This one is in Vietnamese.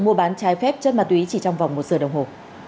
mua bán trái phép chất ma túy chỉ trong vòng một giờ đồng hồ